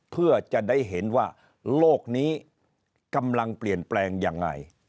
เพื่อจะได้เห็นว่าโลกนี้กำลังเปลี่ยนแปลงยังไง